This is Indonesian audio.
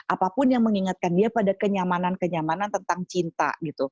apapun yang mengingatkan dia pada kenyamanan kenyamanan tentang cinta gitu